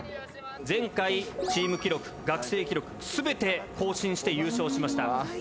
前回チーム記録学生記録全て更新して優勝しました。